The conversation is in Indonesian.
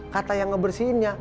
kata yang ngebersihinnya